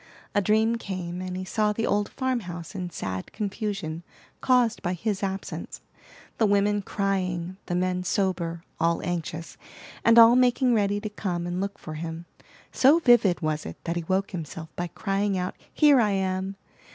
A dream came, and he saw the old farm house in sad confusion, caused by his absence, the women crying, the men sober, all anxious, and all making ready to come and look for him. So vivid was it that he woke himself by crying out, "Here I am!"